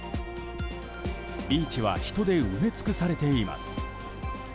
ビーチは人で埋め尽くされています。